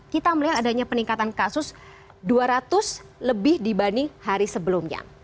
kita melihat adanya peningkatan kasus dua ratus lebih dibanding hari sebelumnya